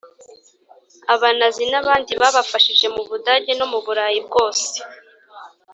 Abanazi n’abandi babafashije mu Budage no mu Burayi bwose